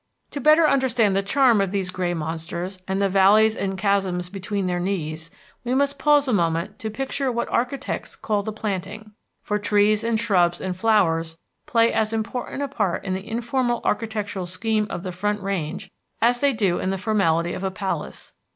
To better understand the charm of these gray monsters, and the valleys and chasms between their knees, we must pause a moment to picture what architects call the planting, for trees and shrubs and flowers play as important a part in the informal architectural scheme of the Front Range as they do in the formality of a palace.